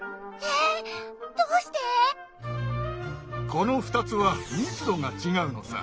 この２つは密度が違うのさ。